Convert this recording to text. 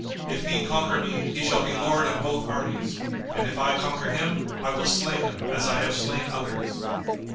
If he conquer me, he shall be lord of both armies, and if I conquer him, I will slay him, as I have slain others."